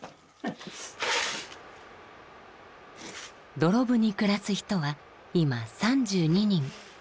土呂部に暮らす人は今３２人。